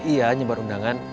iya menyebarkan undangan